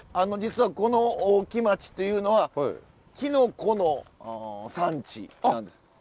実はこの大木町というのはきのこの産地なんです。